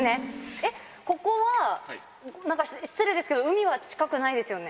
えっ、ここは、なんか失礼ですけど、海は近くないですよね？